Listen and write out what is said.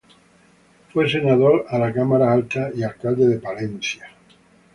Fue Senador a la Cámara alta y alcalde de Palencia.